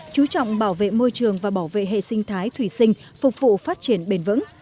chú trọng bảo vệ môi trường và bảo vệ hệ sinh thái thủy sinh phục vụ phát triển bền vững